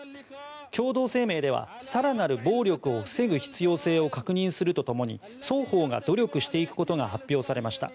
共同声明では更なる暴力を防ぐ必要性を確認すると共に双方が努力していくことが発表されました。